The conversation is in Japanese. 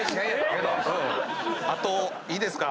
あといいですか？